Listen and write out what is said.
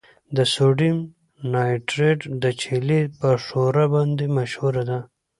د سوډیم نایټریټ د چیلي په ښوره باندې مشهوره ده.